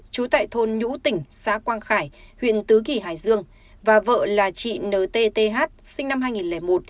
chú tại thôn nhũ tỉnh xã quang khải huyện tứ kỳ hải dương và vợ là chị ntth sinh năm hai nghìn một